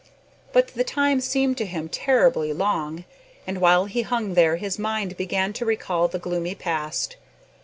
But the time seemed to him terribly long, and while he hung there his mind began to recall the gloomy past.